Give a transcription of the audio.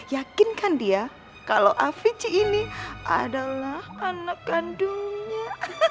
yakinkan dia kalau afiz ini adalah anak gandumnya